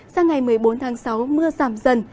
sang ngày một mươi bốn tháng sáu mưa giảm dần